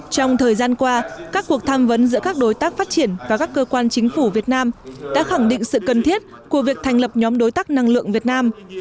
trong thời gian qua các cuộc tham vấn giữa các đối tác phát triển và các cơ quan chính phủ việt nam đã khẳng định sự cần thiết của việc thành lập nhóm đối tác năng lượng việt nam